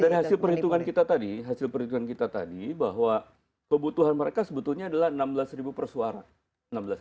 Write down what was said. dari hasil perhitungan kita tadi hasil perhitungan kita tadi bahwa kebutuhan mereka sebetulnya adalah enam belas per suara